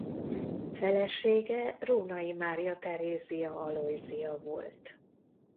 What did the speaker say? Felesége Rónay Mária Terézia Alojzia volt.